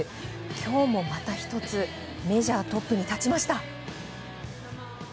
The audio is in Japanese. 今日もまた１つメジャートップに立ちました！